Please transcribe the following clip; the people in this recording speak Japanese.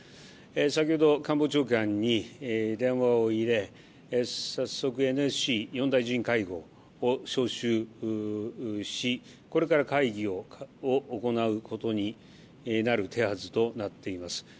先ほど官房長官に電話を入れ、早速、ＮＳＣ４大臣会合を招集しこれから会議を行うことになる手はずとなっています。